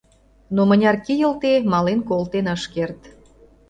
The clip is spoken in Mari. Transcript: Но мыняр кийылте — мален колтен ыш керт.